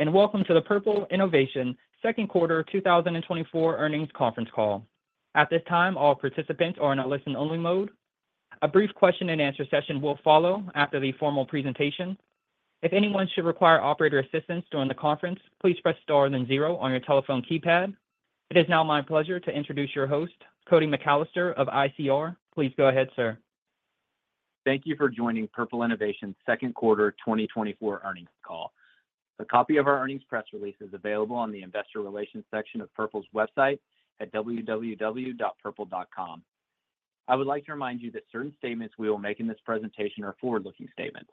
Welcome to the Purple Innovation Second Quarter 2024 Earnings Conference Call. At this time, all participants are in a listen-only mode. A brief question-and-answer session will follow after the formal presentation. If anyone should require operator assistance during the conference, please press star then zero on your telephone keypad. It is now my pleasure to introduce your host, Cody McAlester of ICR. Please go ahead, sir. Thank you for joining Purple Innovation Second Quarter 2024 Earnings Call. A copy of our earnings press release is available on the investor relations section of Purple's website at www.purple.com. I would like to remind you that certain statements we will make in this presentation are forward-looking statements.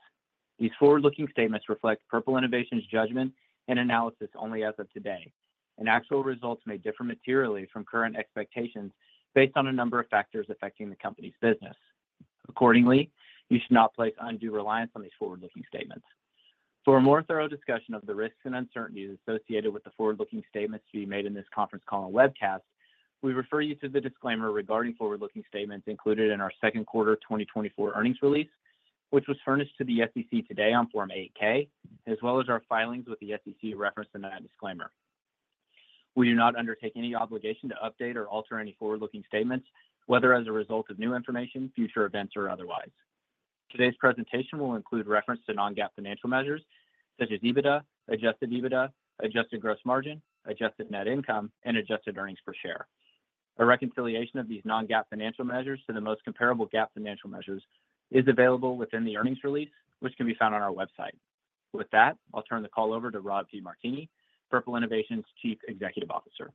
These forward-looking statements reflect Purple Innovation's judgment and analysis only as of today, and actual results may differ materially from current expectations based on a number of factors affecting the company's business. Accordingly, you should not place undue reliance on these forward-looking statements. For a more thorough discussion of the risks and uncertainties associated with the forward-looking statements to be made in this conference call and webcast, we refer you to the disclaimer regarding forward-looking statements included in our Second Quarter 2024 earnings release, which was furnished to the SEC today on Form 8-K, as well as our filings with the SEC referenced in that disclaimer. We do not undertake any obligation to update or alter any forward-looking statements, whether as a result of new information, future events, or otherwise. Today's presentation will include reference to non-GAAP financial measures such as EBITDA, Adjusted EBITDA, Adjusted Gross Margin, Adjusted Net Income, and Adjusted Earnings Per Share. A reconciliation of these non-GAAP financial measures to the most comparable GAAP financial measures is available within the earnings release, which can be found on our website. With that, I'll turn the call over to Rob DeMartini, Purple Innovation's Chief Executive Officer.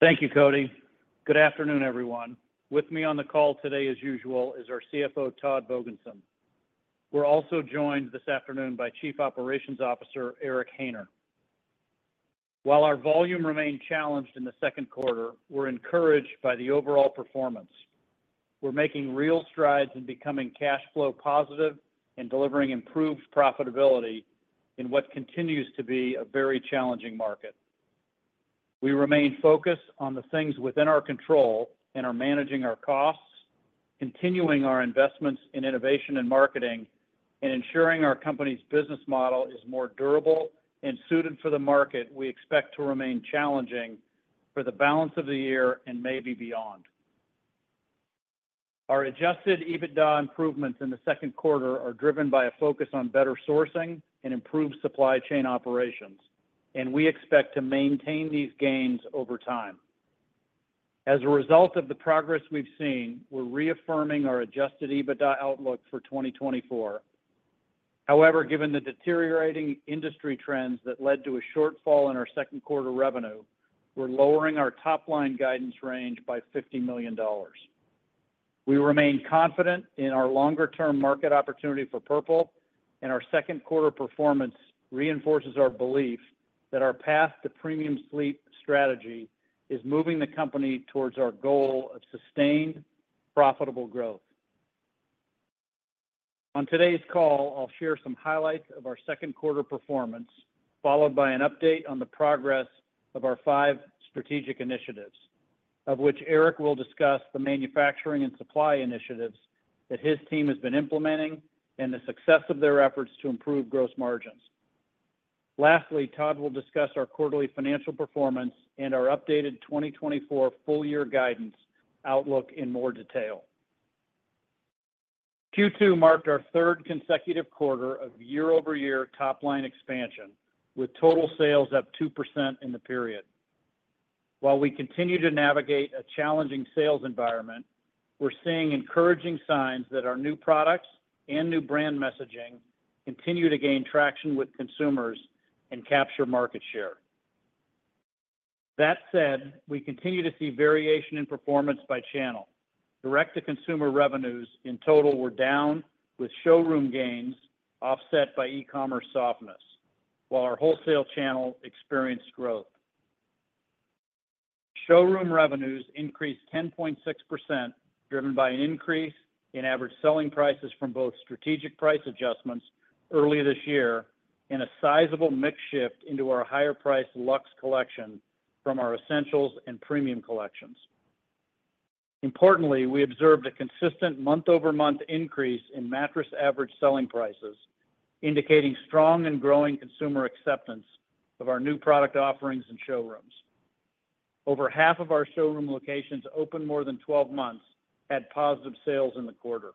Thank you, Cody. Good afternoon, everyone. With me on the call today, as usual, is our CFO, Todd Vogensen. We're also joined this afternoon by Chief Operations Officer, Eric Haynor. While our volume remained challenged in the second quarter, we're encouraged by the overall performance. We're making real strides in becoming cash flow positive and delivering improved profitability in what continues to be a very challenging market. We remain focused on the things within our control and are managing our costs, continuing our investments in innovation and marketing, and ensuring our company's business model is more durable and suited for the market we expect to remain challenging for the balance of the year and maybe beyond. Our adjusted EBITDA improvements in the second quarter are driven by a focus on better sourcing and improved supply chain operations, and we expect to maintain these gains over time. As a result of the progress we've seen, we're reaffirming our Adjusted EBITDA outlook for 2024. However, given the deteriorating industry trends that led to a shortfall in our second quarter revenue, we're lowering our top-line guidance range by $50 million. We remain confident in our longer-term market opportunity for Purple, and our second quarter performance reinforces our belief that our path to premium sleep strategy is moving the company towards our goal of sustained profitable growth. On today's call, I'll share some highlights of our second quarter performance, followed by an update on the progress of our five strategic initiatives, of which Eric will discuss the manufacturing and supply initiatives that his team has been implementing and the success of their efforts to improve gross margins. Lastly, Todd will discuss our quarterly financial performance and our updated 2024 full-year guidance outlook in more detail. Q2 marked our third consecutive quarter of year-over-year top-line expansion, with total sales up 2% in the period. While we continue to navigate a challenging sales environment, we're seeing encouraging signs that our new products and new brand messaging continue to gain traction with consumers and capture market share. That said, we continue to see variation in performance by channel. Direct-to-Consumer revenues in total were down, with showroom gains offset by e-commerce softness, while our wholesale channel experienced growth. Showroom revenues increased 10.6%, driven by an increase in average selling prices from both strategic price adjustments early this year and a sizable mix shift into our higher-priced Luxe Collection from our Essentials and Premium Collections. Importantly, we observed a consistent month-over-month increase in mattress average selling prices, indicating strong and growing consumer acceptance of our new product offerings and showrooms. Over half of our showroom locations opened more than 12 months had positive sales in the quarter.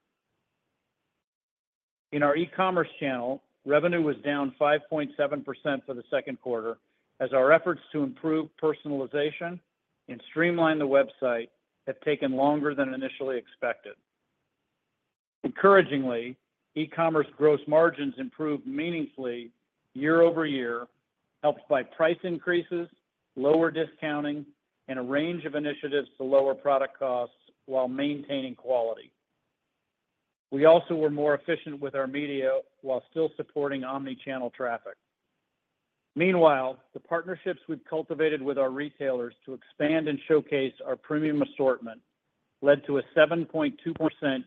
In our e-commerce channel, revenue was down 5.7% for the second quarter, as our efforts to improve personalization and streamline the website have taken longer than initially expected. Encouragingly, e-commerce gross margins improved meaningfully year-over-year, helped by price increases, lower discounting, and a range of initiatives to lower product costs while maintaining quality. We also were more efficient with our media while still supporting omnichannel traffic. Meanwhile, the partnerships we've cultivated with our retailers to expand and showcase our premium assortment led to a 7.2%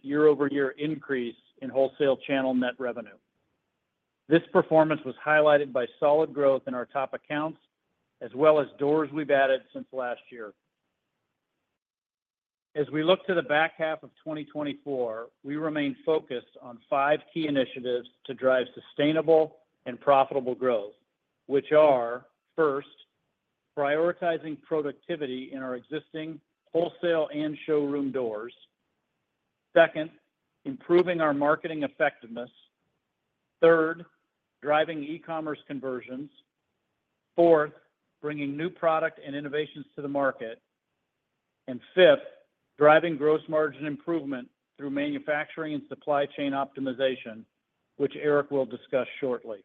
year-over-year increase in wholesale channel net revenue. This performance was highlighted by solid growth in our top accounts, as well as doors we've added since last year. As we look to the back half of 2024, we remain focused on five key initiatives to drive sustainable and profitable growth, which are, first, prioritizing productivity in our existing wholesale and showroom doors, second, improving our marketing effectiveness, third, driving e-commerce conversions, fourth, bringing new product and innovations to the market, and fifth, driving gross margin improvement through manufacturing and supply chain optimization, which Eric will discuss shortly.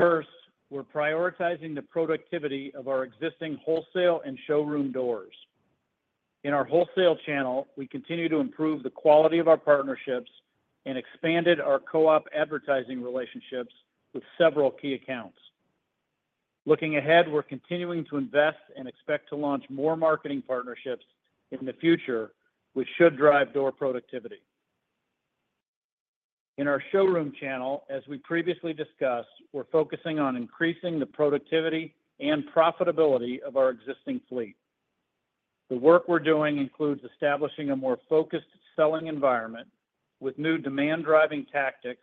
First, we're prioritizing the productivity of our existing wholesale and showroom doors. In our wholesale channel, we continue to improve the quality of our partnerships and expanded our co-op advertising relationships with several key accounts. Looking ahead, we're continuing to invest and expect to launch more marketing partnerships in the future, which should drive door productivity. In our showroom channel, as we previously discussed, we're focusing on increasing the productivity and profitability of our existing fleet. The work we're doing includes establishing a more focused selling environment with new demand-driving tactics,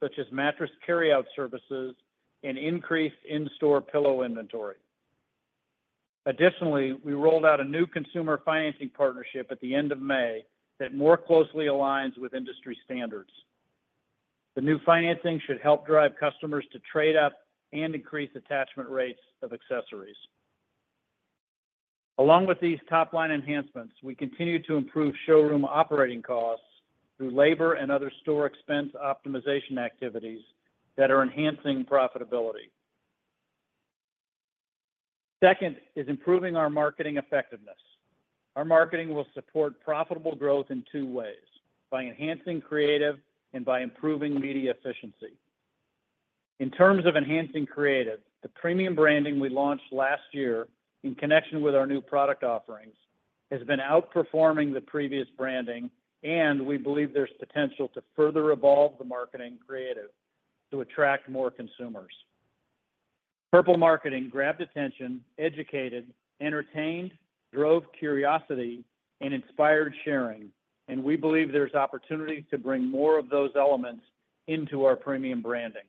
such as mattress carry-out services and increased in-store pillow inventory. Additionally, we rolled out a new consumer financing partnership at the end of May that more closely aligns with industry standards. The new financing should help drive customers to trade up and increase attachment rates of accessories. Along with these top-line enhancements, we continue to improve showroom operating costs through labor and other store expense optimization activities that are enhancing profitability. Second is improving our marketing effectiveness. Our marketing will support profitable growth in two ways: by enhancing creative and by improving media efficiency. In terms of enhancing creative, the premium branding we launched last year in connection with our new product offerings has been outperforming the previous branding, and we believe there's potential to further evolve the marketing creative to attract more consumers. Purple marketing grabbed attention, educated, entertained, drove curiosity, and inspired sharing, and we believe there's opportunity to bring more of those elements into our premium branding.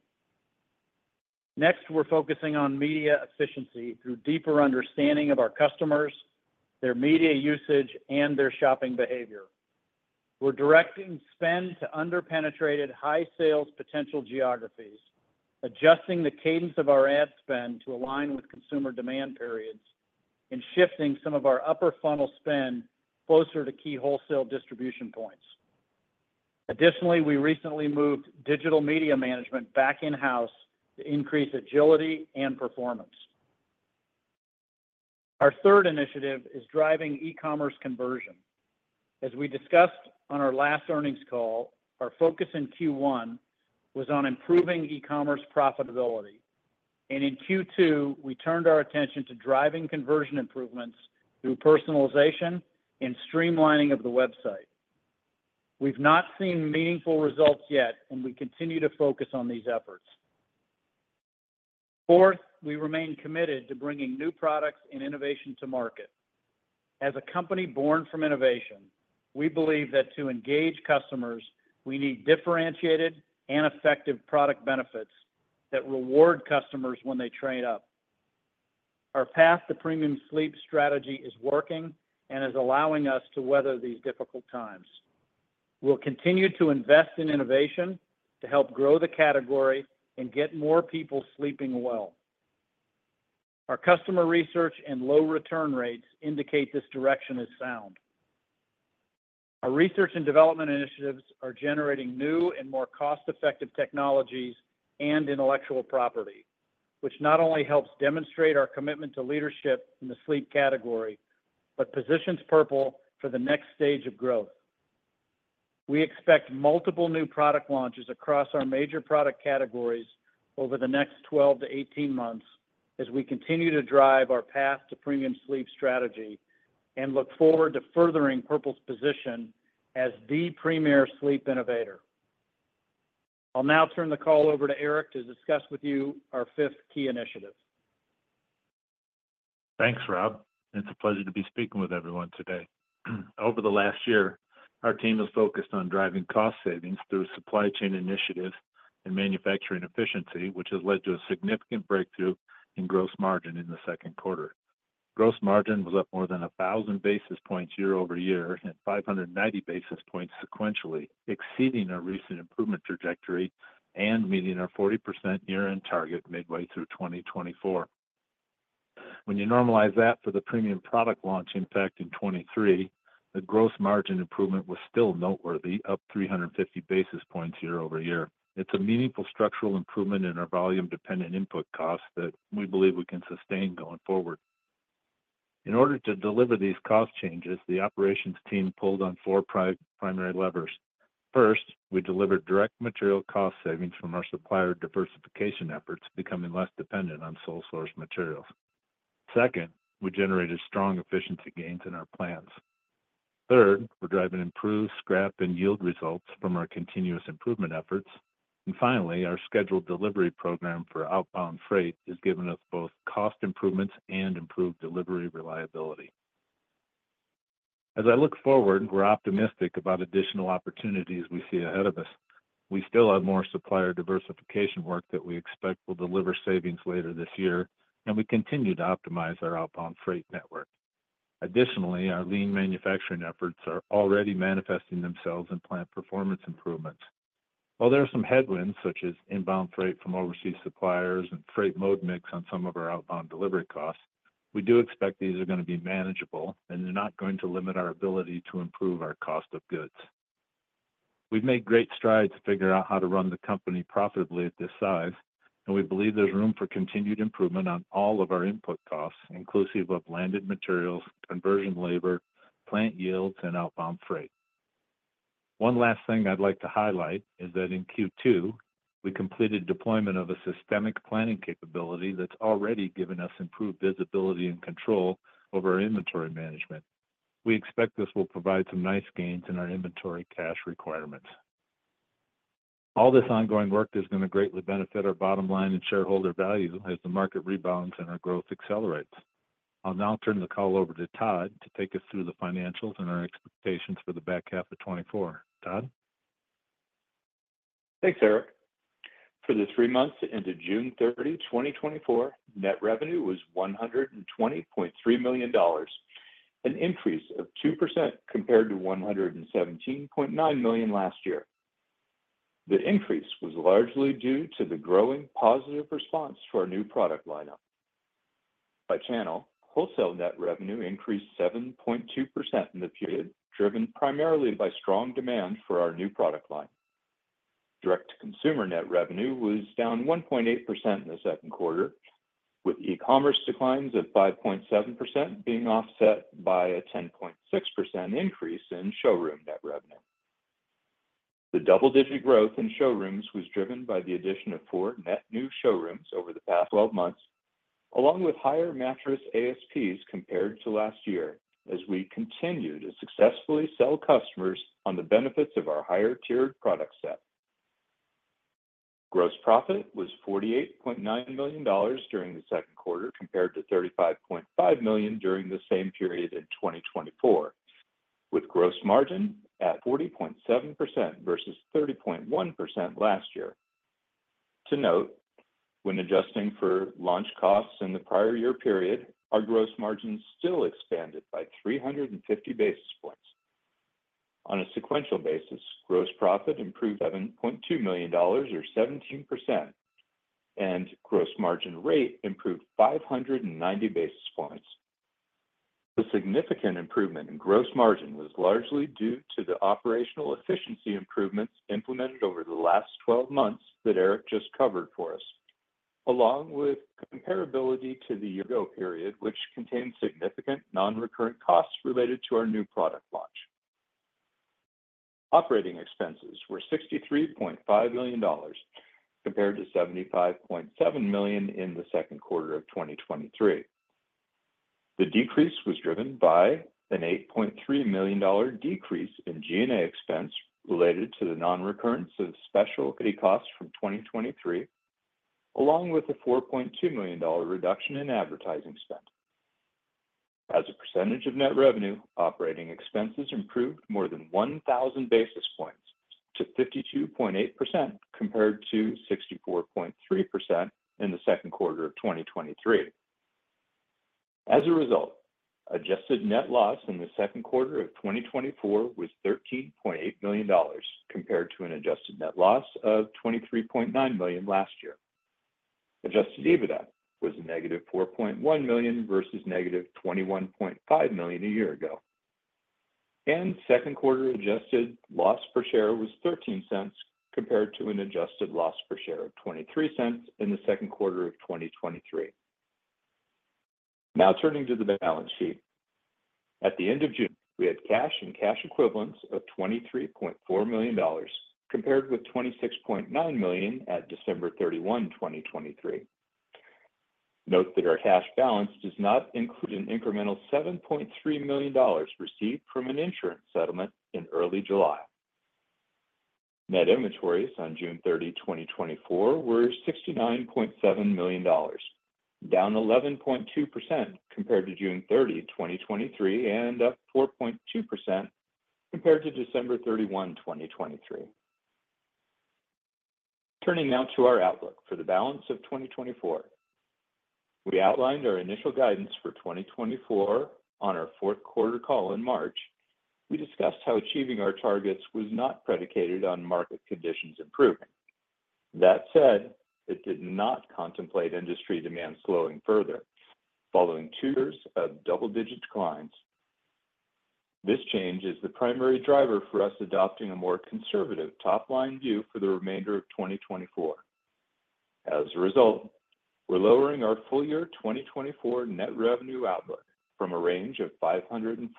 Next, we're focusing on media efficiency through deeper understanding of our customers, their media usage, and their shopping behavior. We're directing spend to under-penetrated high-sales potential geographies, adjusting the cadence of our ad spend to align with consumer demand periods, and shifting some of our upper funnel spend closer to key wholesale distribution points. Additionally, we recently moved digital media management back in-house to increase agility and performance. Our third initiative is driving e-commerce conversion. As we discussed on our last earnings call, our focus in Q1 was on improving e-commerce profitability, and in Q2, we turned our attention to driving conversion improvements through personalization and streamlining of the website. We've not seen meaningful results yet, and we continue to focus on these efforts. Fourth, we remain committed to bringing new products and innovation to market. As a company born from innovation, we believe that to engage customers, we need differentiated and effective product benefits that reward customers when they trade up. Our path to premium sleep strategy is working and is allowing us to weather these difficult times. We'll continue to invest in innovation to help grow the category and get more people sleeping well. Our customer research and low return rates indicate this direction is sound. Our research and development initiatives are generating new and more cost-effective technologies and intellectual property, which not only helps demonstrate our commitment to leadership in the sleep category but positions Purple for the next stage of growth. We expect multiple new product launches across our major product categories over the next 12-18 months as we continue to drive our path to premium sleep strategy and look forward to furthering Purple's position as the premier sleep innovator. I'll now turn the call over to Eric to discuss with you our fifth key initiative. Thanks, Rob. It's a pleasure to be speaking with everyone today. Over the last year, our team has focused on driving cost savings through supply chain initiatives and manufacturing efficiency, which has led to a significant breakthrough in gross margin in the second quarter. Gross margin was up more than 1,000 basis points year-over-year and 590 basis points sequentially, exceeding our recent improvement trajectory and meeting our 40% year-end target midway through 2024. When you normalize that for the premium product launch impact in 2023, the gross margin improvement was still noteworthy, up 350 basis points year-over-year. It's a meaningful structural improvement in our volume-dependent input costs that we believe we can sustain going forward. In order to deliver these cost changes, the operations team pulled on four primary levers. First, we delivered direct material cost savings from our supplier diversification efforts, becoming less dependent on sole-source materials. Second, we generated strong efficiency gains in our plans. Third, we're driving improved scrap and yield results from our continuous improvement efforts. And finally, our scheduled delivery program for outbound freight has given us both cost improvements and improved delivery reliability. As I look forward, we're optimistic about additional opportunities we see ahead of us. We still have more supplier diversification work that we expect will deliver savings later this year, and we continue to optimize our outbound freight network. Additionally, our lean manufacturing efforts are already manifesting themselves in plant performance improvements. While there are some headwinds, such as inbound freight from overseas suppliers and freight mode mix on some of our outbound delivery costs, we do expect these are going to be manageable, and they're not going to limit our ability to improve our cost of goods. We've made great strides to figure out how to run the company profitably at this size, and we believe there's room for continued improvement on all of our input costs, inclusive of landed materials, conversion labor, plant yields, and outbound freight. One last thing I'd like to highlight is that in Q2, we completed deployment of a systematic planning capability that's already given us improved visibility and control over our inventory management. We expect this will provide some nice gains in our inventory cash requirements. All this ongoing work is going to greatly benefit our bottom line and shareholder value as the market rebounds and our growth accelerates. I'll now turn the call over to Todd to take us through the financials and our expectations for the back half of 2024. Todd? Thanks, Eric. For the three months into June 30, 2024, net revenue was $120.3 million, an increase of 2% compared to $117.9 million last year. The increase was largely due to the growing positive response to our new product lineup. By channel, wholesale net revenue increased 7.2% in the period, driven primarily by strong demand for our new product line. Direct-to-consumer net revenue was down 1.8% in the second quarter, with e-commerce declines of 5.7% being offset by a 10.6% increase in showroom net revenue. The double-digit growth in showrooms was driven by the addition of four net new showrooms over the past 12 months, along with higher mattress ASPs compared to last year, as we continued to successfully sell customers on the benefits of our higher-tiered product set. Gross profit was $48.9 million during the second quarter compared to $35.5 million during the same period in 2023, with gross margin at 40.7% versus 30.1% last year. To note, when adjusting for launch costs in the prior year period, our gross margin still expanded by 350 basis points. On a sequential basis, gross profit improved $7.2 million, or 17%, and gross margin rate improved 590 basis points. The significant improvement in gross margin was largely due to the operational efficiency improvements implemented over the last 12 months that Eric just covered for us, along with comparability to the year-ago period, which contained significant non-recurrent costs related to our new product launch. Operating expenses were $63.5 million compared to $75.7 million in the second quarter of 2023. The decrease was driven by an $8.3 million decrease in G&A expense related to the non-recurrence of specialty costs from 2023, along with a $4.2 million reduction in advertising spend. As a percentage of net revenue, operating expenses improved more than 1,000 basis points to 52.8% compared to 64.3% in the second quarter of 2023. As a result, adjusted net loss in the second quarter of 2024 was $13.8 million compared to an adjusted net loss of $23.9 million last year. Adjusted EBITDA was negative $4.1 million versus negative $21.5 million a year ago. And second-quarter adjusted loss per share was $0.13 compared to an adjusted loss per share of $0.23 in the second quarter of 2023. Now turning to the balance sheet. At the end of June, we had cash and cash equivalents of $23.4 million compared with $26.9 million at December 31, 2023. Note that our cash balance does not include an incremental $7.3 million received from an insurance settlement in early July. Net inventories on June 30, 2024, were $69.7 million, down 11.2% compared to June 30, 2023, and up 4.2% compared to December 31, 2023. Turning now to our outlook for the balance of 2024. We outlined our initial guidance for 2024 on our fourth quarter call in March. We discussed how achieving our targets was not predicated on market conditions improving. That said, it did not contemplate industry demand slowing further. Following two years of double-digit declines, this change is the primary driver for us adopting a more conservative top-line view for the remainder of 2024. As a result, we're lowering our full-year 2024 net revenue outlook from a range of $540-$560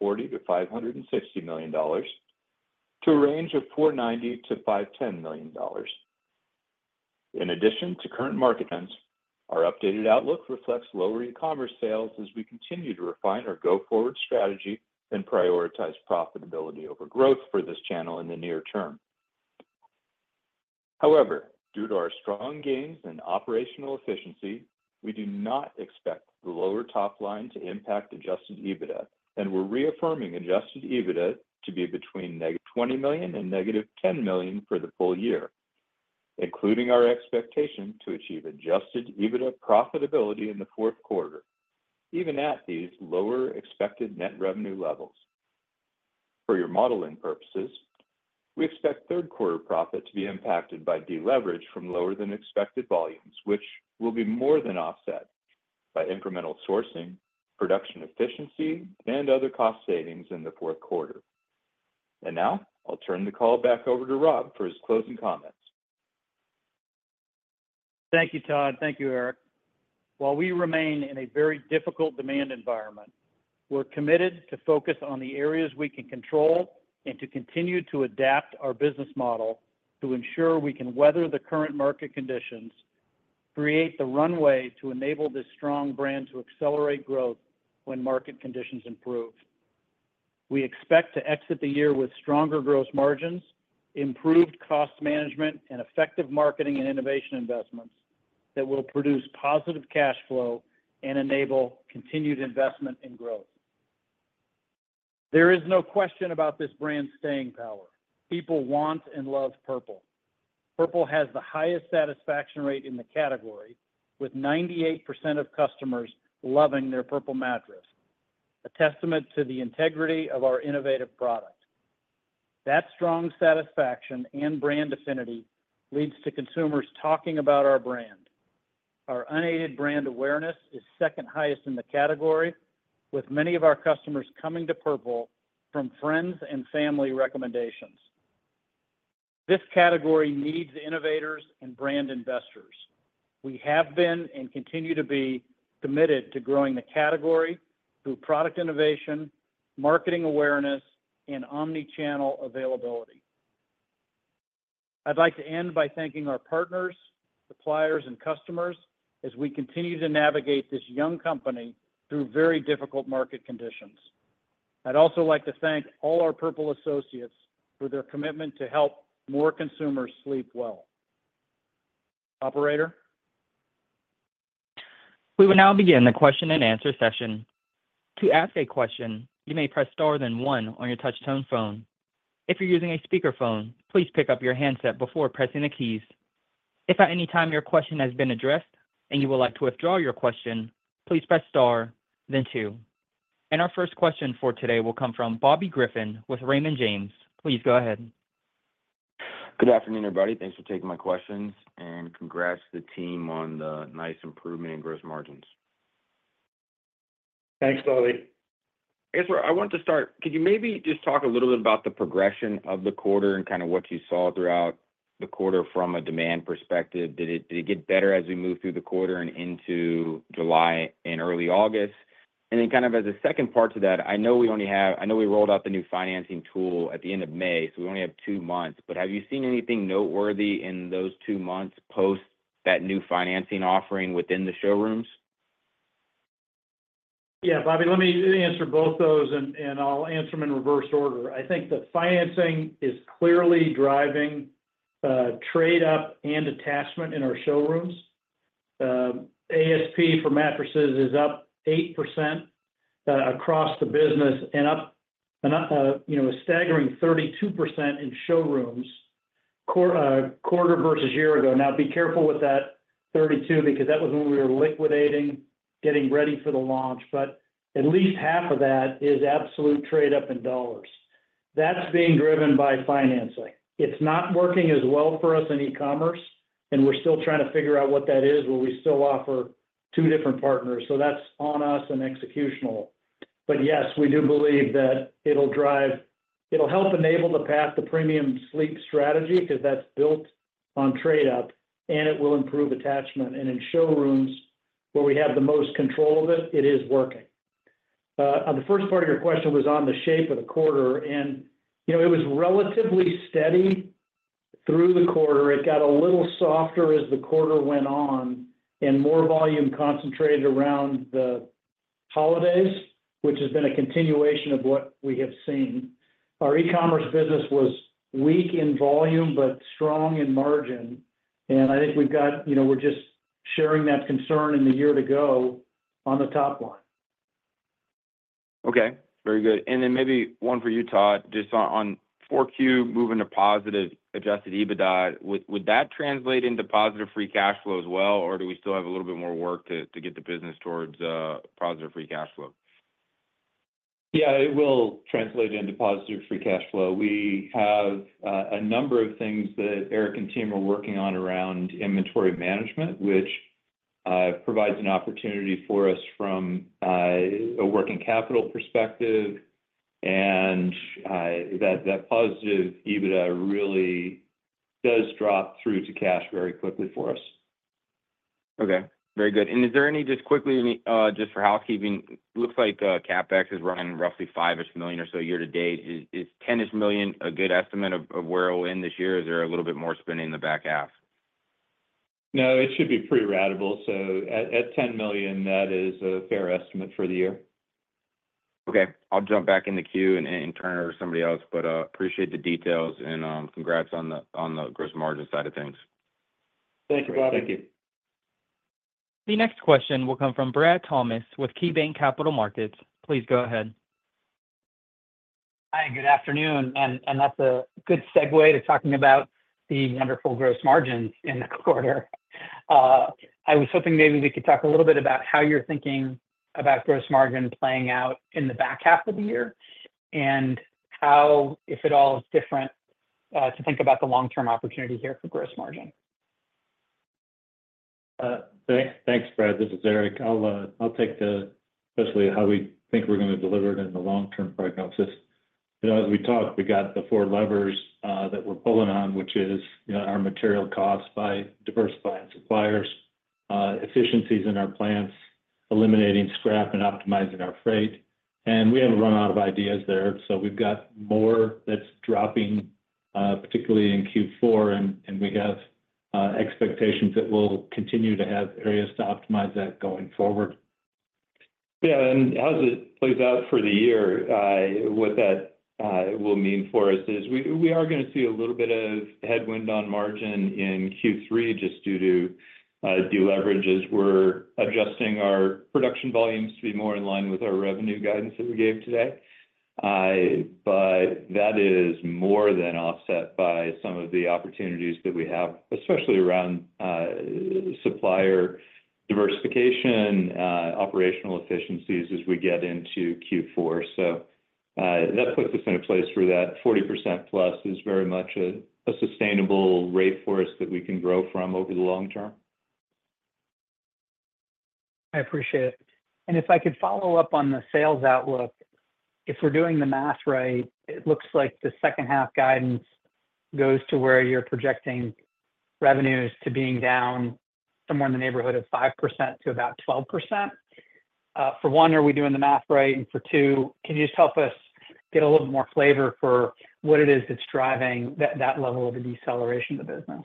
million to a range of $490 million-$510 million. In addition to current market trends, our updated outlook reflects lower e-commerce sales as we continue to refine our go-forward strategy and prioritize profitability over growth for this channel in the near term. However, due to our strong gains in operational efficiency, we do not expect the lower top line to impact Adjusted EBITDA, and we're reaffirming Adjusted EBITDA to be between -$20 million and -$10 million for the full year, including our expectation to achieve Adjusted EBITDA profitability in the fourth quarter, even at these lower expected net revenue levels. For your modeling purposes, we expect third-quarter profit to be impacted by deleverage from lower-than-expected volumes, which will be more than offset by incremental sourcing, production efficiency, and other cost savings in the fourth quarter. And now I'll turn the call back over to Rob for his closing comments. Thank you, Todd. Thank you, Eric. While we remain in a very difficult demand environment, we're committed to focus on the areas we can control and to continue to adapt our business model to ensure we can weather the current market conditions, create the runway to enable this strong brand to accelerate growth when market conditions improve. We expect to exit the year with stronger gross margins, improved cost management, and effective marketing and innovation investments that will produce positive cash flow and enable continued investment and growth. There is no question about this brand's staying power. People want and love Purple. Purple has the highest satisfaction rate in the category, with 98% of customers loving their Purple mattress, a testament to the integrity of our innovative product. That strong satisfaction and brand affinity leads to consumers talking about our brand. Our unaided brand awareness is second highest in the category, with many of our customers coming to Purple from friends and family recommendations. This category needs innovators and brand investors. We have been and continue to be committed to growing the category through product innovation, marketing awareness, and omnichannel availability. I'd like to end by thanking our partners, suppliers, and customers as we continue to navigate this young company through very difficult market conditions. I'd also like to thank all our Purple associates for their commitment to help more consumers sleep well. Operator. We will now begin the question-and-answer session. To ask a question, you may press star then one on your touch-tone phone. If you're using a speakerphone, please pick up your handset before pressing the keys. If at any time your question has been addressed and you would like to withdraw your question, please press star, then two. Our first question for today will come from Bobby Griffin with Raymond James. Please go ahead. Good afternoon, everybody. Thanks for taking my questions, and congrats to the team on the nice improvement in gross margins. Thanks, Bobby. I guess I wanted to start, could you maybe just talk a little bit about the progression of the quarter and kind of what you saw throughout the quarter from a demand perspective? Did it get better as we moved through the quarter and into July and early August? And then kind of as a second part to that, I know we only have—I know we rolled out the new financing tool at the end of May, so we only have two months. But have you seen anything noteworthy in those two months post that new financing offering within the showrooms? Yeah, Bobby, let me answer both those, and I'll answer them in reverse order. I think the financing is clearly driving trade-up and attachment in our showrooms. ASP for mattresses is up 8% across the business and up a staggering 32% in showrooms quarter versus year ago. Now, be careful with that 32 because that was when we were liquidating, getting ready for the launch. But at least half of that is absolute trade-up in dollars. That's being driven by financing. It's not working as well for us in e-commerce, and we're still trying to figure out what that is, where we still offer two different partners. So that's on us and executional. But yes, we do believe that it'll help enable the path to premium sleep strategy because that's built on trade-up, and it will improve attachment. In showrooms where we have the most control of it, it is working. The first part of your question was on the shape of the quarter, and it was relatively steady through the quarter. It got a little softer as the quarter went on and more volume concentrated around the holidays, which has been a continuation of what we have seen. Our e-commerce business was weak in volume but strong in margin, and I think we're just sharing that concern in the year to go on the top line. Okay. Very good. And then maybe one for you, Todd, just on 4Q moving to positive Adjusted EBITDA, would that translate into positive free cash flow as well, or do we still have a little bit more work to get the business towards positive free cash flow? Yeah, it will translate into positive free cash flow. We have a number of things that Eric and team are working on around inventory management, which provides an opportunity for us from a working capital perspective. And that positive EBITDA really does drop through to cash very quickly for us. Okay. Very good. Is there any, just quickly, just for housekeeping, looks like CapEx is running roughly $5 million-ish or so year to date. Is $10 million-ish a good estimate of where it'll end this year? Is there a little bit more spending in the back half? No, it should be pretty ratable. So at $10 million, that is a fair estimate for the year. Okay. I'll jump back in the queue and turn it over to somebody else, but appreciate the details and congrats on the gross margin side of things. Thank you, Bobby. Thank you. The next question will come from Brad Thomas with KeyBanc Capital Markets. Please go ahead. Hi, good afternoon. That's a good segue to talking about the wonderful gross margins in the quarter. I was hoping maybe we could talk a little bit about how you're thinking about gross margin playing out in the back half of the year and how, if at all, it's different to think about the long-term opportunity here for gross margin. Thanks, Brad. This is Eric. I'll take especially how we think we're going to deliver it in the long-term prognosis. As we talked, we got the four levers that we're pulling on, which is our material costs by diversifying suppliers, efficiencies in our plants, eliminating scrap, and optimizing our freight. And we have a run-out of ideas there. So we've got more that's dropping, particularly in Q4, and we have expectations that we'll continue to have areas to optimize that going forward. Yeah. And as it plays out for the year, what that will mean for us is we are going to see a little bit of headwind on margin in Q3 just due to deleverage as we're adjusting our production volumes to be more in line with our revenue guidance that we gave today. But that is more than offset by some of the opportunities that we have, especially around supplier diversification, operational efficiencies as we get into Q4. So that puts us in a place where that 40%+ is very much a sustainable rate for us that we can grow from over the long term. I appreciate it. And if I could follow up on the sales outlook, if we're doing the math right, it looks like the second-half guidance goes to where you're projecting revenues to being down somewhere in the neighborhood of 5%-12%. For one, are we doing the math right? And for two, can you just help us get a little more flavor for what it is that's driving that level of a deceleration of the business?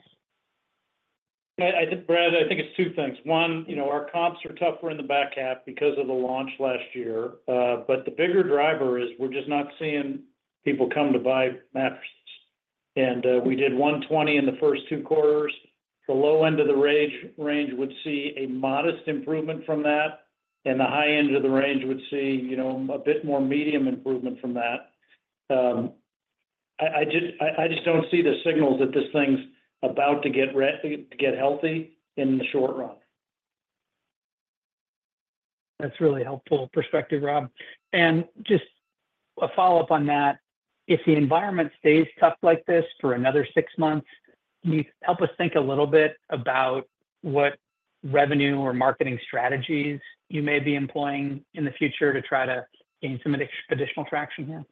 Brad, I think it's two things. One, our comps are tougher in the back half because of the launch last year. But the bigger driver is we're just not seeing people come to buy mattresses. And we did 120 in the first two quarters. The low end of the range would see a modest improvement from that, and the high end of the range would see a bit more medium improvement from that. I just don't see the signals that this thing's about to get healthy in the short run. That's really helpful perspective, Rob. Just a follow-up on that, if the environment stays tough like this for another six months, can you help us think a little bit about what revenue or marketing strategies you may be employing in the future to try to gain some additional traction here?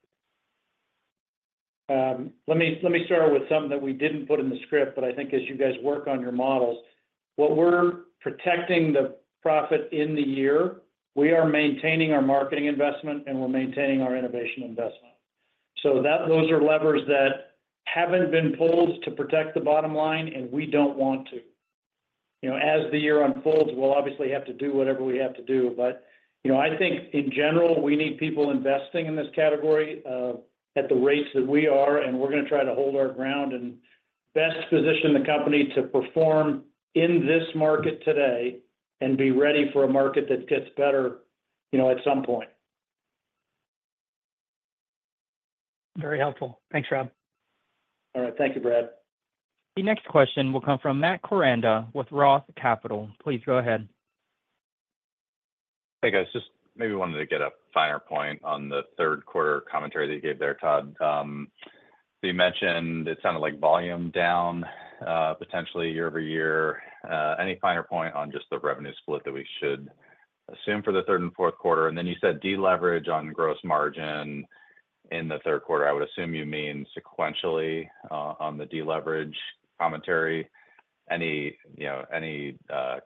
Let me start with something that we didn't put in the script, but I think as you guys work on your models, what we're protecting the profit in the year, we are maintaining our marketing investment, and we're maintaining our innovation investment. So those are levers that haven't been pulled to protect the bottom line, and we don't want to. As the year unfolds, we'll obviously have to do whatever we have to do. But I think, in general, we need people investing in this category at the rates that we are, and we're going to try to hold our ground and best position the company to perform in this market today and be ready for a market that gets better at some point. Very helpful. Thanks, Rob. All right. Thank you, Brad. The next question will come from Matt Koranda with Roth Capital. Please go ahead. Hey, guys. Just maybe wanted to get a finer point on the third-quarter commentary that you gave there, Todd. So you mentioned it sounded like volume down potentially year-over-year. Any finer point on just the revenue split that we should assume for the third and fourth quarter? And then you said deleverage on gross margin in the third quarter. I would assume you mean sequentially on the deleverage commentary. Any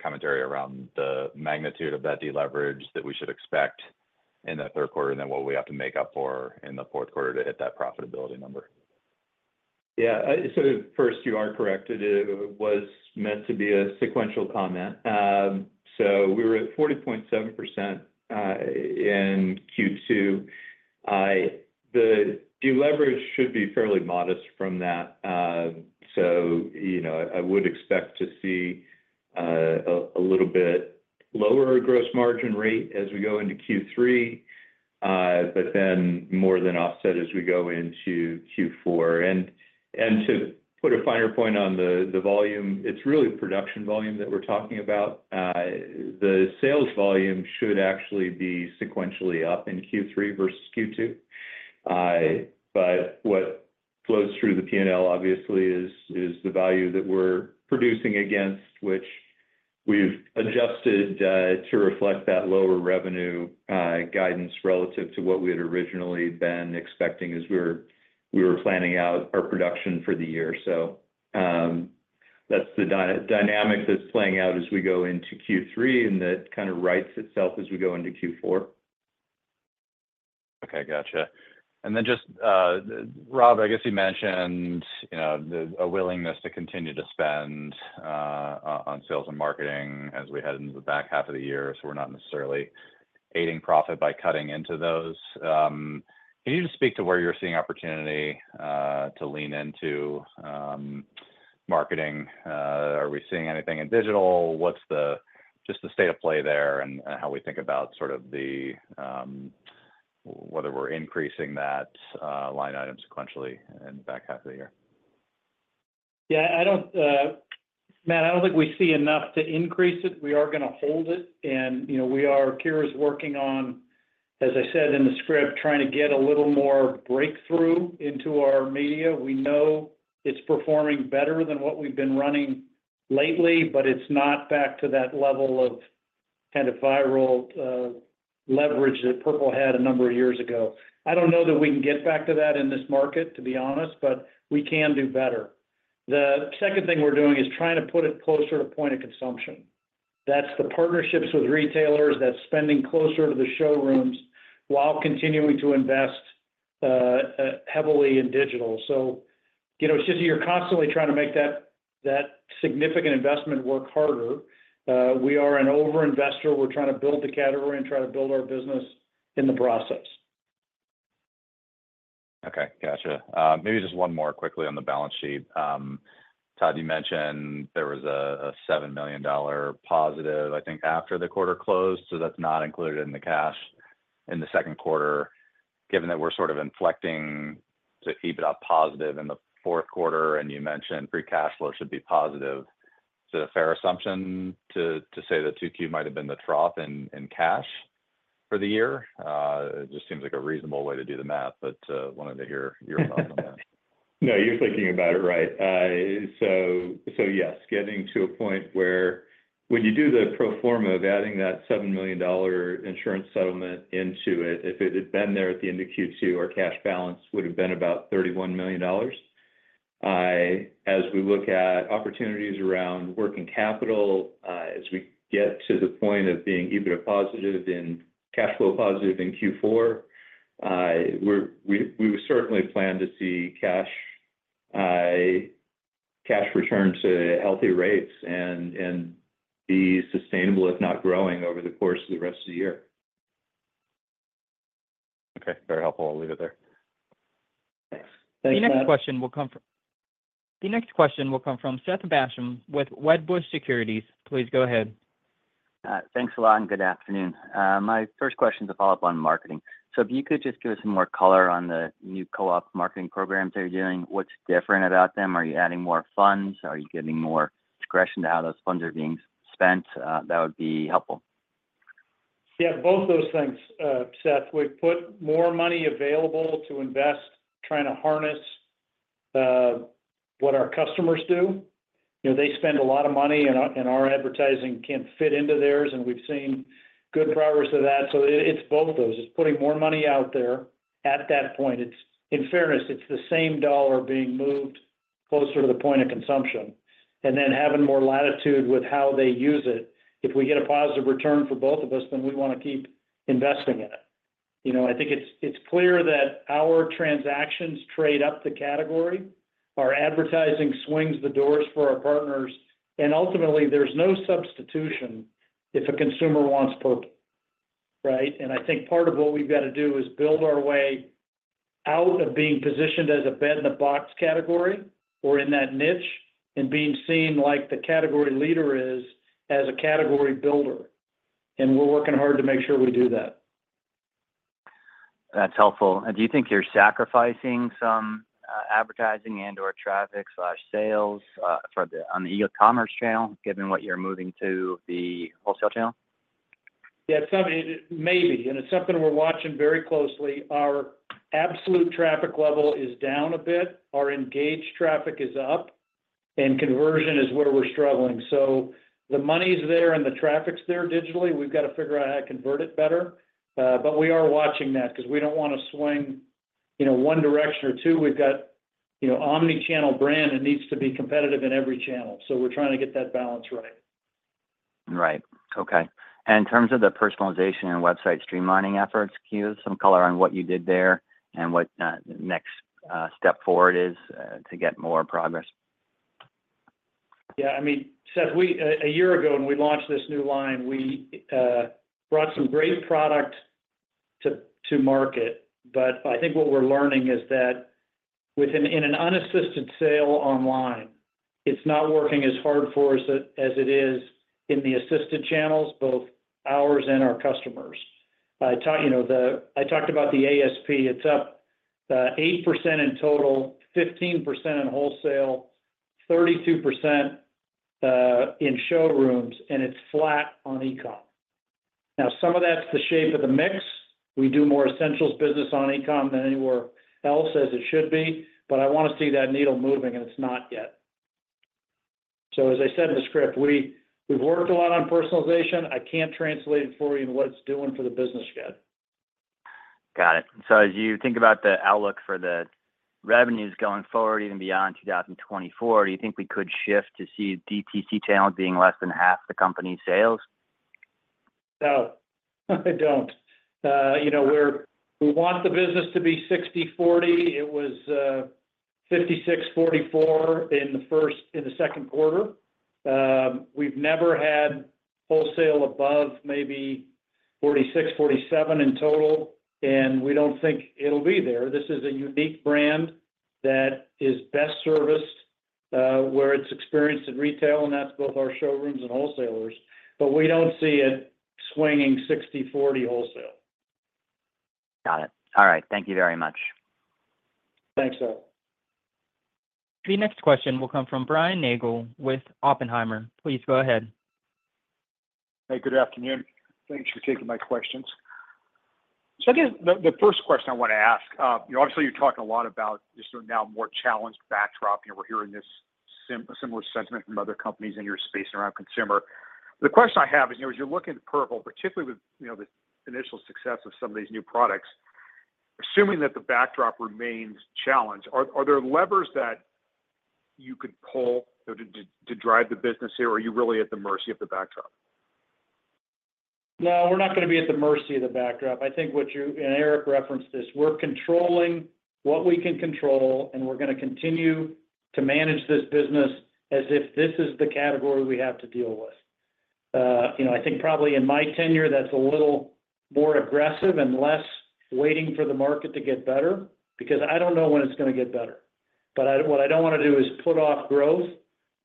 commentary around the magnitude of that deleverage that we should expect in that third quarter and then what we have to make up for in the fourth quarter to hit that profitability number? Yeah. So first, you are correct. It was meant to be a sequential comment. So we were at 40.7% in Q2. The deleverage should be fairly modest from that. So I would expect to see a little bit lower gross margin rate as we go into Q3, but then more than offset as we go into Q4. And to put a finer point on the volume, it's really production volume that we're talking about. The sales volume should actually be sequentially up in Q3 versus Q2. But what flows through the P&L, obviously, is the value that we're producing against, which we've adjusted to reflect that lower revenue guidance relative to what we had originally been expecting as we were planning out our production for the year. So that's the dynamic that's playing out as we go into Q3 and that kind of writes itself as we go into Q4. Okay. Gotcha. And then just, Rob, I guess you mentioned a willingness to continue to spend on sales and marketing as we head into the back half of the year. So we're not necessarily aiding profit by cutting into those. Can you just speak to where you're seeing opportunity to lean into marketing? Are we seeing anything in digital? What's just the state of play there and how we think about sort of whether we're increasing that line item sequentially in the back half of the year? Yeah. Matt, I don't think we see enough to increase it. We are going to hold it. And we are curious working on, as I said in the script, trying to get a little more breakthrough into our media. We know it's performing better than what we've been running lately, but it's not back to that level of kind of viral leverage that Purple had a number of years ago. I don't know that we can get back to that in this market, to be honest, but we can do better. The second thing we're doing is trying to put it closer to point of consumption. That's the partnerships with retailers that's spending closer to the showrooms while continuing to invest heavily in digital. So it's just you're constantly trying to make that significant investment work harder. We are an over-investor. We're trying to build the category and try to build our business in the process. Okay. Gotcha. Maybe just one more quickly on the balance sheet. Todd, you mentioned there was a $7 million positive, I think, after the quarter closed. So that's not included in the cash in the second quarter, given that we're sort of inflecting to EBITDA positive in the fourth quarter. And you mentioned free cash flow should be positive. Is it a fair assumption to say that 2Q might have been the trough in cash for the year? It just seems like a reasonable way to do the math, but wanted to hear your thoughts on that. No, you're thinking about it right. So yes, getting to a point where when you do the pro forma of adding that $7 million insurance settlement into it, if it had been there at the end of Q2, our cash balance would have been about $31 million. As we look at opportunities around working capital, as we get to the point of being EBITDA positive and cash flow positive in Q4, we would certainly plan to see cash return to healthy rates and be sustainable, if not growing, over the course of the rest of the year. Okay. Very helpful. I'll leave it there. Thanks Matt. The next question will come from Seth Basham with Wedbush Securities. Please go ahead. Thanks a lot, and good afternoon. My first question is a follow-up on marketing. So if you could just give us some more color on the new co-op marketing programs that you're doing, what's different about them? Are you adding more funds? Are you getting more discretion to how those funds are being spent? That would be helpful. Yeah, both those things, Seth. We've put more money available to invest, trying to harness what our customers do. They spend a lot of money, and our advertising can't fit into theirs, and we've seen good progress of that. So it's both those. It's putting more money out there at that point. In fairness, it's the same dollar being moved closer to the point of consumption. And then having more latitude with how they use it. If we get a positive return for both of us, then we want to keep investing in it. I think it's clear that our transactions trade up the category. Our advertising swings the doors for our partners. And ultimately, there's no substitution if a consumer wants Purple, right? I think part of what we've got to do is build our way out of being positioned as a Bed-in-a-Box category or in that niche and being seen like the category leader is as a category builder. We're working hard to make sure we do that. That's helpful. Do you think you're sacrificing some advertising and/or traffic/sales on the e-commerce channel, given what you're moving to the wholesale channel? Yeah, maybe. And it's something we're watching very closely. Our absolute traffic level is down a bit. Our engaged traffic is up, and conversion is where we're struggling. So the money's there and the traffic's there digitally. We've got to figure out how to convert it better. But we are watching that because we don't want to swing one direction or two. We've got omnichannel brand and needs to be competitive in every channel. So we're trying to get that balance right. Right. Okay. In terms of the personalization and website streamlining efforts, can you give us some color on what you did there and what the next step forward is to get more progress? Yeah. I mean, Seth, a year ago when we launched this new line, we brought some great product to market. But I think what we're learning is that in an unassisted sale online, it's not working as hard for us as it is in the assisted channels, both ours and our customers. I talked about the ASP. It's up 8% in total, 15% in wholesale, 32% in showrooms, and it's flat on e-comm. Now, some of that's the shape of the mix. We do more essentials business on e-comm than anywhere else as it should be. But I want to see that needle moving, and it's not yet. So as I said in the script, we've worked a lot on personalization. I can't translate it for you and what it's doing for the business yet. Got it. So as you think about the outlook for the revenues going forward, even beyond 2024, do you think we could shift to see DTC channels being less than half the company's sales? No. I don't. We want the business to be 60/40. It was 56/44 in the second quarter. We've never had wholesale above maybe 46/47 in total, and we don't think it'll be there. This is a unique brand that is best serviced where it's experienced in retail, and that's both our showrooms and wholesalers. But we don't see it swinging 60/40 wholesale. Got it. All right. Thank you very much. Thanks, Seth. The next question will come from Brian Nagel with Oppenheimer. Please go ahead. Hey, good afternoon. Thanks for taking my questions. So I guess the first question I want to ask, obviously, you're talking a lot about just now more challenged backdrop. We're hearing this similar sentiment from other companies in your space around consumer. The question I have is, as you're looking at Purple, particularly with the initial success of some of these new products, assuming that the backdrop remains challenged, are there levers that you could pull to drive the business here, or are you really at the mercy of the backdrop? No, we're not going to be at the mercy of the backdrop. I think what you and Eric referenced this, we're controlling what we can control, and we're going to continue to manage this business as if this is the category we have to deal with. I think probably in my tenure, that's a little more aggressive and less waiting for the market to get better because I don't know when it's going to get better. But what I don't want to do is put off growth,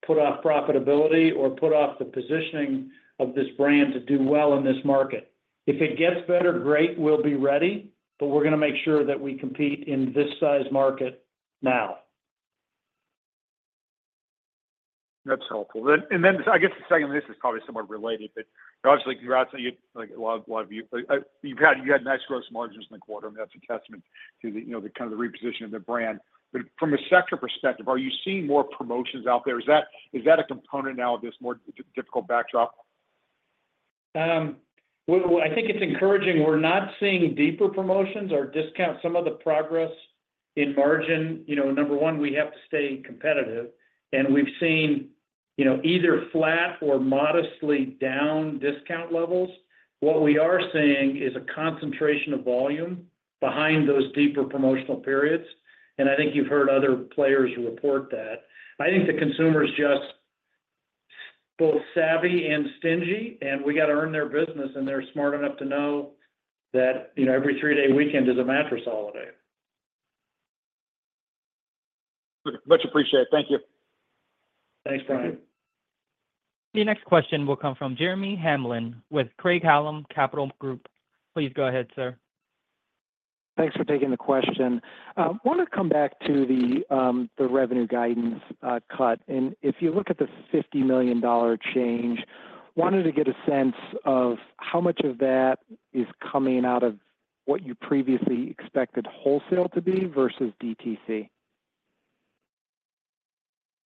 put off profitability, or put off the positioning of this brand to do well in this market. If it gets better, great, we'll be ready, but we're going to make sure that we compete in this size market now. That's helpful. Then I guess the second, this is probably somewhat related, but obviously, congrats on you. You had nice gross margins in the quarter, and that's a testament to kind of the repositioning of the brand. But from a sector perspective, are you seeing more promotions out there? Is that a component now of this more difficult backdrop? Well, I think it's encouraging. We're not seeing deeper promotions or discounts. Some of the progress in margin, number one, we have to stay competitive. And we've seen either flat or modestly down discount levels. What we are seeing is a concentration of volume behind those deeper promotional periods. And I think you've heard other players report that. I think the consumer is just both savvy and stingy, and we got to earn their business, and they're smart enough to know that every three-day weekend is a mattress holiday. Much appreciated. Thank you. Thanks, Brian. The next question will come from Jeremy Hamblin with Craig-Hallum Capital Group. Please go ahead, sir. Thanks for taking the question. I want to come back to the revenue guidance cut. If you look at the $50 million change, wanted to get a sense of how much of that is coming out of what you previously expected wholesale to be versus DTC.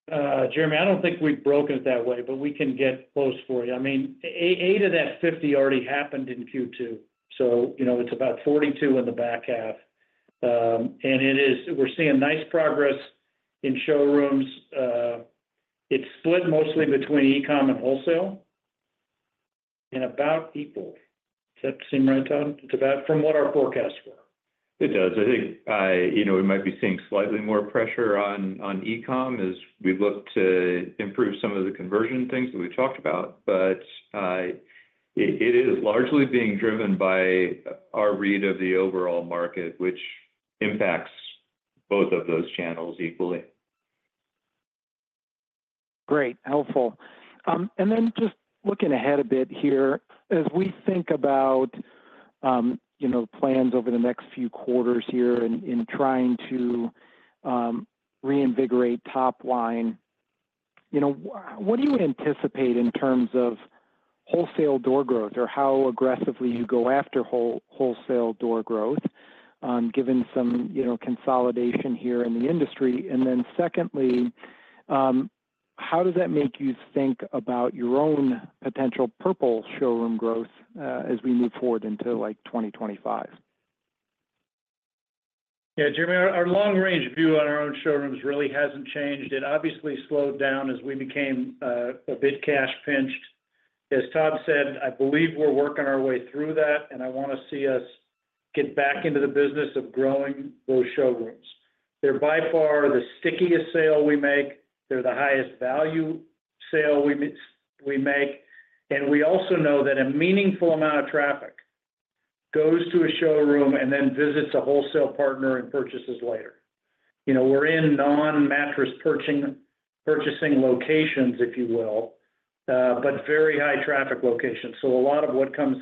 Jeremy, I don't think we've broken it that way, but we can get close for you. I mean, 8 of that 50 already happened in Q2. So it's about 42 in the back half. And we're seeing nice progress in showrooms. It's split mostly between e-comm and wholesale and about equal. Does that seem right, Todd? From what our forecasts were. It does. I think we might be seeing slightly more pressure on e-comm as we look to improve some of the conversion things that we've talked about. But it is largely being driven by our read of the overall market, which impacts both of those channels equally. Great. Helpful. And then just looking ahead a bit here, as we think about plans over the next few quarters here in trying to reinvigorate top line, what do you anticipate in terms of wholesale door growth or how aggressively you go after wholesale door growth, given some consolidation here in the industry? And then secondly, how does that make you think about your own potential Purple showroom growth as we move forward into 2025? Yeah, Jeremy, our long-range view on our own showrooms really hasn't changed. It obviously slowed down as we became a bit cash-pinched. As Todd said, I believe we're working our way through that, and I want to see us get back into the business of growing those showrooms. They're by far the stickiest sale we make. They're the highest value sale we make. And we also know that a meaningful amount of traffic goes to a showroom and then visits a wholesale partner and purchases later. We're in non-mattress purchasing locations, if you will, but very high-traffic locations. So a lot of what comes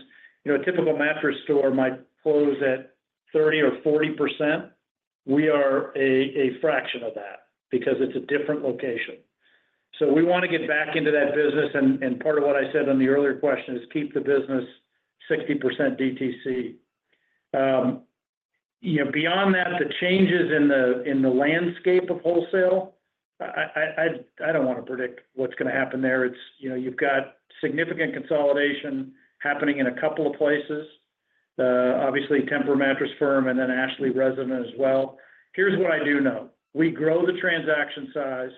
a typical mattress store might close at 30% or 40%. We are a fraction of that because it's a different location. So we want to get back into that business. Part of what I said in the earlier question is keep the business 60% DTC. Beyond that, the changes in the landscape of wholesale, I don't want to predict what's going to happen there. You've got significant consolidation happening in a couple of places, obviously, Tempur Mattress Firm and then Ashley Resident as well. Here's what I do know. We grow the transaction size.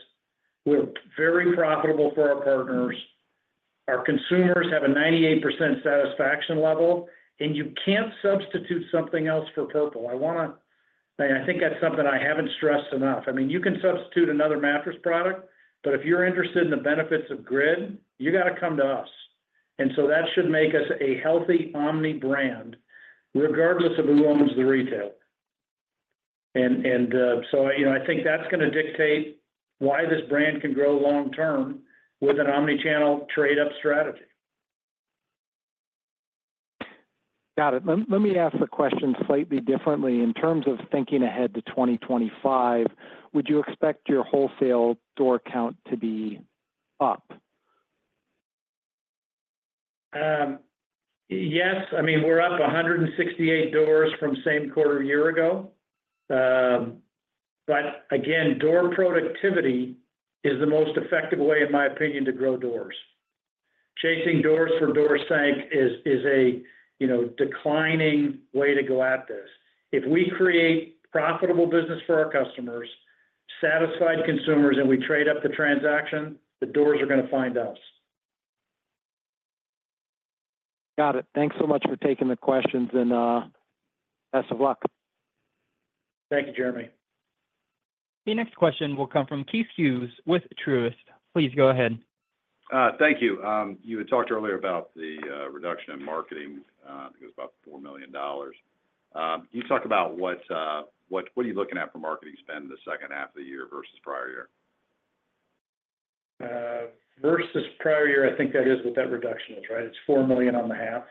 We're very profitable for our partners. Our consumers have a 98% satisfaction level, and you can't substitute something else for Purple. I think that's something I haven't stressed enough. I mean, you can substitute another mattress product, but if you're interested in the benefits of grid, you got to come to us. And so that should make us a healthy omni brand, regardless of who owns the retail. I think that's going to dictate why this brand can grow long-term with an omnichannel trade-up strategy. Got it. Let me ask the question slightly differently. In terms of thinking ahead to 2025, would you expect your wholesale door count to be up? Yes. I mean, we're up 168 doors from the same quarter a year ago. But again, door productivity is the most effective way, in my opinion, to grow doors. Chasing doors for door's sake is a declining way to go at this. If we create profitable business for our customers, satisfied consumers, and we trade up the transaction, the doors are going to find us. Got it. Thanks so much for taking the questions, and best of luck. Thank you, Jeremy. The next question will come from Keith Hughes with Truist. Please go ahead. Thank you. You had talked earlier about the reduction in marketing. I think it was about $4 million. Can you talk about what are you looking at for marketing spend in the second half of the year versus prior year? Versus prior year, I think that is what that reduction is, right? It's $4 million on the half?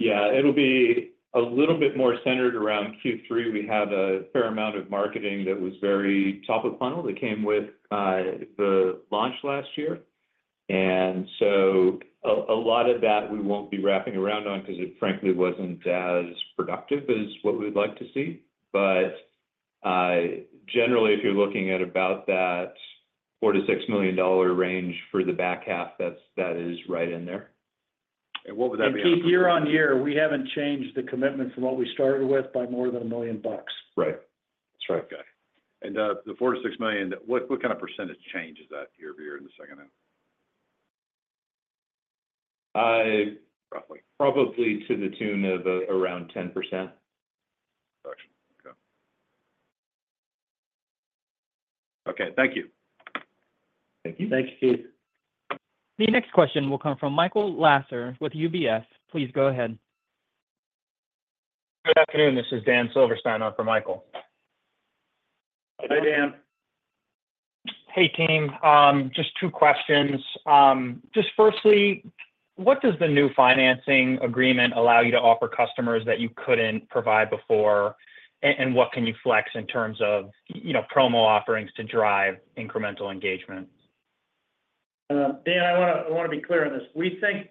Yeah. It'll be a little bit more centered around Q3. We have a fair amount of marketing that was very top of funnel that came with the launch last year. And so a lot of that we won't be wrapping around on because it frankly wasn't as productive as what we'd like to see. But generally, if you're looking at about that $4 million-$6 million range for the back half, that is right in there. What would that be? Keith, year-over-year, we haven't changed the commitment from what we started with by more than $1 million. Right. That's right. Okay. And the $4 million-$6 million, what kind of percentage change is that year-over-year in the second half? Roughly. Probably to the tune of around 10%. Reduction. Okay. Okay. Thank you. Thank you. Thank you, Keith. The next question will come from Michael Lasser with UBS. Please go ahead. Good afternoon. This is Dan Silverstein for Michael. Hi, Dan. Hey, team. Just two questions. Just firstly, what does the new financing agreement allow you to offer customers that you couldn't provide before, and what can you flex in terms of promo offerings to drive incremental engagement? Dan, I want to be clear on this. We think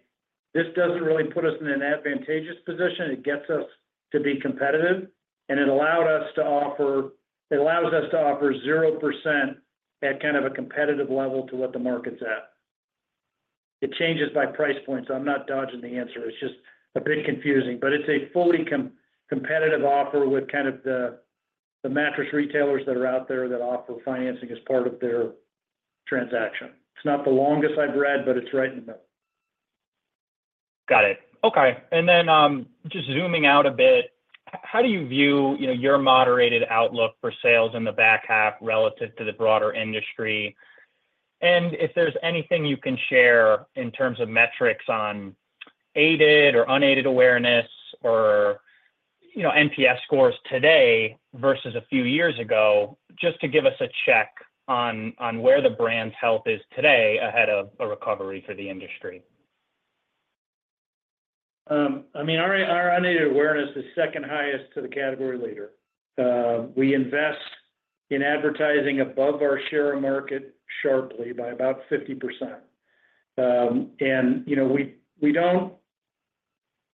this doesn't really put us in an advantageous position. It gets us to be competitive, and it allows us to offer 0% at kind of a competitive level to what the market's at. It changes by price point, so I'm not dodging the answer. It's just a bit confusing. But it's a fully competitive offer with kind of the mattress retailers that are out there that offer financing as part of their transaction. It's not the longest I've read, but it's right in the middle. Got it. Okay. And then just zooming out a bit, how do you view your moderated outlook for sales in the back half relative to the broader industry? And if there's anything you can share in terms of metrics on aided or unaided awareness or NPS scores today versus a few years ago, just to give us a check on where the brand's health is today ahead of a recovery for the industry? I mean, our unaided awareness is second highest to the category leader. We invest in advertising above our share of market sharply by about 50%.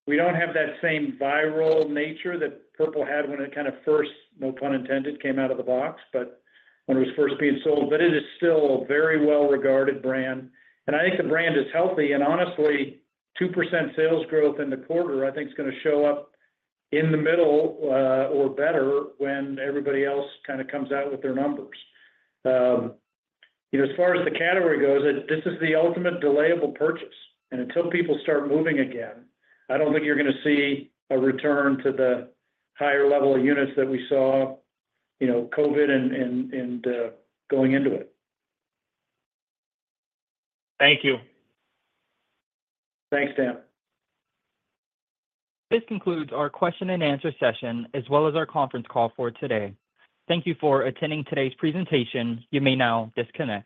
We don't have that same viral nature that Purple had when it kind of first, no pun intended, came out of the box when it was first being sold. But it is still a very well-regarded brand. I think the brand is healthy. Honestly, 2% sales growth in the quarter, I think, is going to show up in the middle or better when everybody else kind of comes out with their numbers. As far as the category goes, this is the ultimate delayable purchase. Until people start moving again, I don't think you're going to see a return to the higher level of units that we saw COVID and going into it. Thank you. Thanks, Dan. This concludes our question-and-answer session as well as our conference call for today. Thank you for attending today's presentation. You may now disconnect.